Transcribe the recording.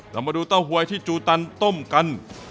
เรามาดูเต้าหวยที่จูตันต้มกัน